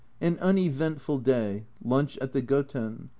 An uneventful day lunch at the Goten.